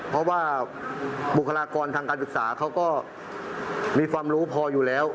เพราะว่าบุคลากรทางการศึกษาเขาก็มีความรู้พออยู่แล้ว